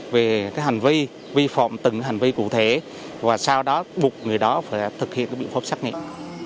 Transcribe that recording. về cái hành vi vi phạm từng hành vi cụ thể và sau đó bục người đó phải thực hiện biện pháp xét nghiệm